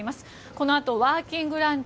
このあとワーキングランチ